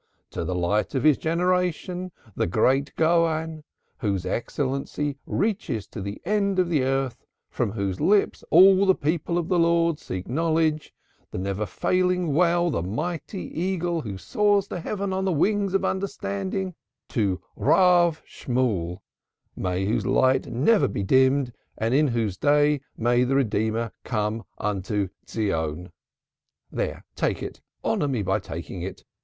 'To the light of his generation, the great Gaon, whose excellency reaches to the ends of the earth, from whose lips all the people of the Lord seek knowledge, the never failing well, the mighty eagle soars to heaven on the wings of understanding, to Rav Shemuel, may whose light never be dimmed, and in whose day may the Redeemer come unto Zion.' There, take it, honor me by taking it.